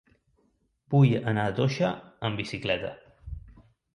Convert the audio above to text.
Vull anar a Toixa amb bicicleta.